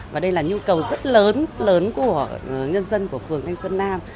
và đây là nhu cầu rất lớn của nhân dân của phường thanh xuân nam